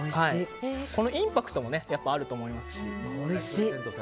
インパクトもあると思いますし。